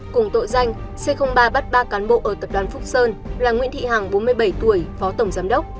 cùng tội danh c ba bắt ba cán bộ ở tập đoàn phúc sơn là nguyễn thị hằng bốn mươi bảy tuổi phó tổng giám đốc